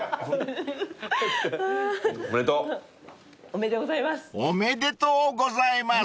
［おめでとうございます］